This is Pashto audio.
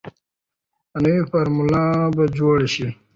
نوي فارمونه به جوړ شي.